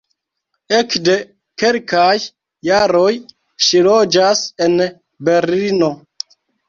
Ekde kelkaj jaroj ŝi loĝas en Berlino.